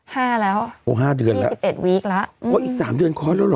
ห้าแล้วโหห้าเดือนแล้วสิบเอ็ดวีคละอืมอีกสามเดือนคอร์สแล้วหรอ